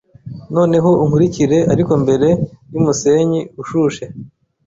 Noneho unkurikire ariko mbere yumusenyi ushushe